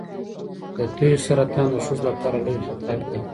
د تیو سرطان د ښځو لپاره لوی خطر دی.